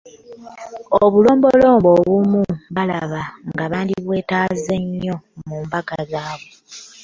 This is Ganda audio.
Obulombolombi obumu balaba nga bandibwetaaze nnyo mu mbaga zaabwe.